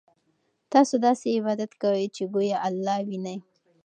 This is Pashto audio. تاسو داسې عبادت کوئ چې ګویا الله وینئ.